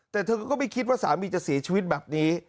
แต่เธอก็ไม่คิดว่าสามีจะเสียชีวิตแบบนี้